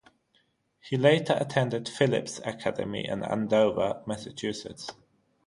He later attended Phillips Academy in Andover, Massachusetts.